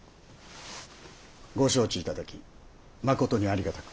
ご承知頂きまことにありがたく。